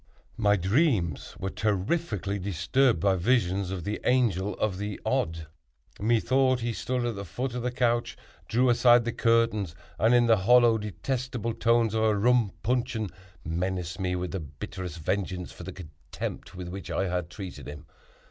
My dreams were terrifically disturbed by visions of the Angel of the Odd. Methought he stood at the foot of the couch, drew aside the curtains, and, in the hollow, detestable tones of a rum puncheon, menaced me with the bitterest vengeance for the contempt with which I had treated him.